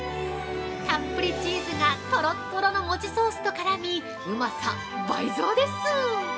たっぷりチーズがとろっとろの餅ソースと絡み、うまさ倍増です。